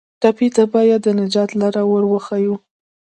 ټپي ته باید د نجات لاره ور وښیو.